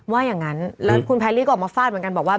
ว่าอย่างนั้นแล้วคุณแพรรี่ก็ออกมาฟาดเหมือนกันบอกว่า